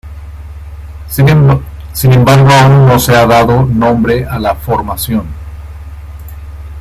Sin embargo, aún no se ha dado nombre a la formación.